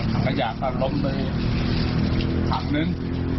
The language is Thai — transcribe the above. ถังกระหยากก็ล้มไปถังหนึ่ง